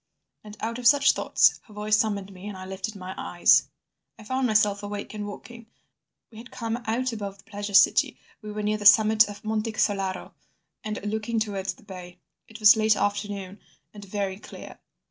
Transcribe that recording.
And out of such thoughts her voice summoned me, and I lifted my eyes. "I found myself awake and walking. We had come out above the Pleasure City, we were near the summit of Monte Solaro and looking towards the bay. It was the late afternoon and very clear.